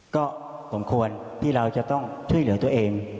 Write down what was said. ก็สมควรที่เราจะต้องช่วยเหลือตัวเอง